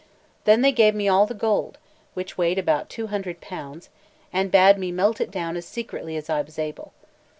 Then they gave me all the gold, which weighed about two hundred pounds, and bade me melt it down as secretly as I was able.